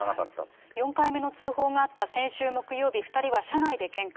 ４回目の通報があった先週木曜日、２人は車内でけんか。